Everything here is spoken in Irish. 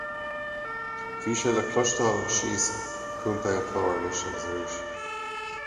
Bhí sé le cloisteáil síos contae an Chláir anois agus arís.